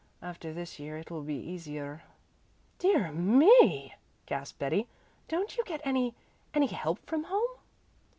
After this year it will be easier." "Dear me," gasped Betty. "Don't you get any any help from home?"